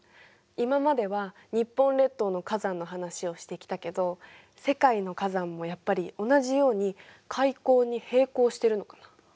今までは日本列島の火山の話をしてきたけど世界の火山もやっぱり同じように海溝に平行してるのかな。